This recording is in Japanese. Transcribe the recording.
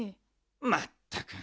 まったく！